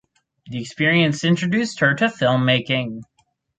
The experience introduced her to filmmaking.